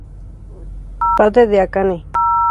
Padre de Akane.